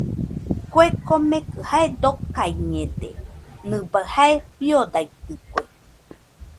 Kue komekɨ jae dokaiñede, nɨbai jae fiodaitɨkue.